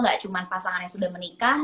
gak cuma pasangan yang sudah menikah